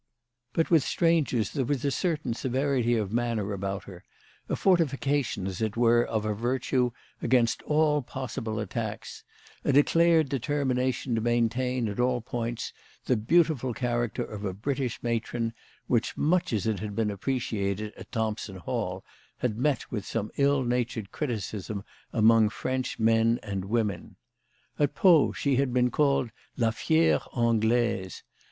But with strangers there was a certain CHRISTMAS AT THOMPSON HALL. 209 severity of manner about her, a fortification, as it were, of her virtue against all possible attacks, a declared determination to maintain, at all points, the beautiful character of a British matron, which, much as it had been appreciated at Thompson Hall, had met with some ill natured criticism among French men and women. At Pau she had been called La Fiere Anglaise.